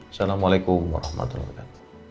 assalamualaikum warahmatullahi wabarakatuh